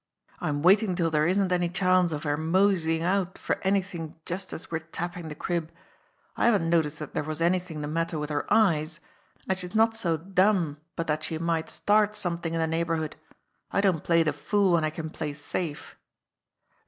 "I'm waiting till there isn't any chance of her moseying out for anything just as we're tapping the crib. I haven't noticed that there was anything the matter with her eyes; and she's not so dumb but that she might start something in the neighbour hood. I don't play the fool when I can play safe."